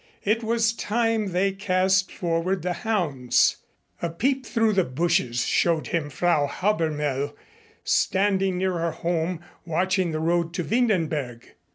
It was time they cast forward the hounds. A peep through the bushes showed him Frau Habermehl standing near her home watching the road to Windenberg.